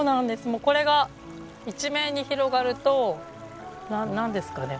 もうこれが一面に広がるとなんですかね